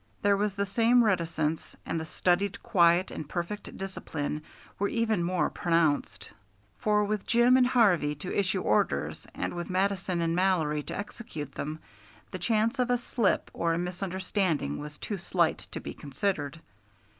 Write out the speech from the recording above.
There was the same reticence, and the studied quiet and perfect discipline were even more pronounced; for with Jim and Harvey to issue orders, and with Mattison and Mallory to execute them, the chance of a slip or a misunderstanding was too slight to be considered.